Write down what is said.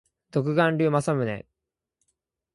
独眼竜政宗